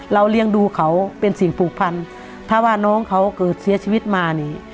เลี้ยงดูเขาเป็นสิ่งผูกพันถ้าว่าน้องเขาเกิดเสียชีวิตมานี่